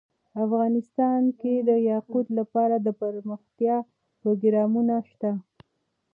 افغانستان کې د یاقوت لپاره دپرمختیا پروګرامونه شته.